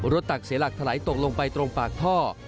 ตักเสียหลักถลายตกลงไปตรงปากท่อ